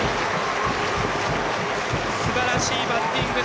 すばらしいバッティング！